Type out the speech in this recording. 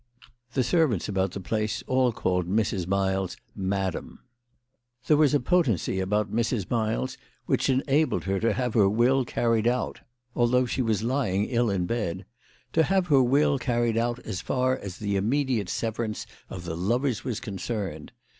The servants about the place all called Mrs. Miles Madam. There was a potency about Mrs. Miles which enabled her to have her will carried out, although she was lying 140 THE LADY OF LATJtfAY. ill in bed, to have her will carried out as far as the immediate severance of the lovers was concerned.